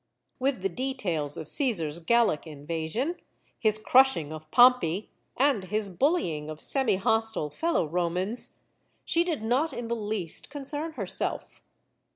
With the details of Caesar's Gallic invasion, his crushing of Pompey, and his bullying of semihostile fellow Romans, she did not in the least concern her self.